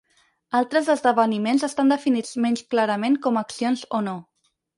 Altres esdeveniments estan definits menys clarament com a accions o no.